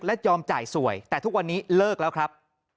และยอมจ่ายสวยแต่ทุกวันนี้เลิกแล้วครับ